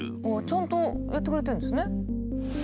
ちゃんとやってくれてるんですね。